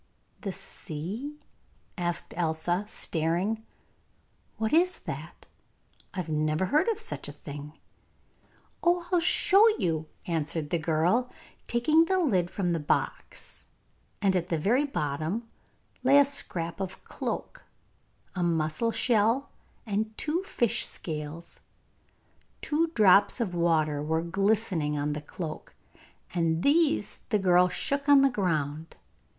'The sea?' asked Elsa, staring; 'what is that? I've never heard of such a thing!' 'Oh, I'll soon show you,' answered the girl, taking the lid from the box, and at the very bottom lay a scrap of a cloak, a mussel shell, and two fish scales. Two drops of water were glistening on the cloak, and these the girl shook on the ground.